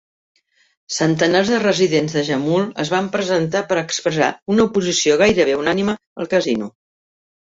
Centenars de residents de Jamul es van presentar per expressar una oposició gairebé unànime al casino.